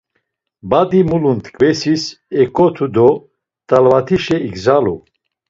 Badi mulun tkvesis ekotu do T̆alvatişe igzalu.